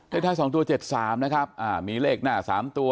ได้ท้ายสองตัวเจ็ดสามนะครับอ่ามีเลขหน้าสามตัว